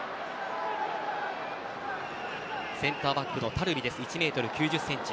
センターバックのタルビは１ｍ９０ｃｍ。